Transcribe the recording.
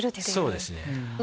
そうですね。